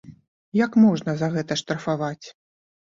Як можна за гэта штрафаваць?